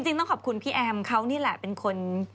ต้องขอบคุณพี่แอมเขานี่แหละเป็นคน